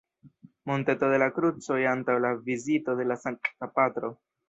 Monteto de la Krucoj antaŭ la vizito de la Sankta Patro.